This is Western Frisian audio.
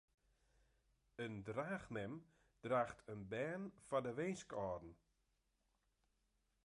In draachmem draacht in bern foar de winskâlden.